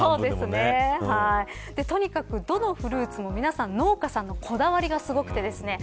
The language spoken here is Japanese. とにかく、どのフルーツも農家さんのこだわりがすごいです。